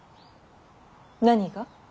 何が。